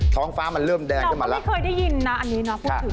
ท้องฟ้ามันเริ่มแดงขึ้นมาละขอตอบพี่เคยได้ยินอันนี้นะ